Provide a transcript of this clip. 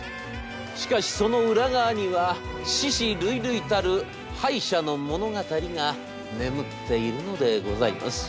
しかしその裏側には死屍累々たる敗者の物語が眠っているのでございます。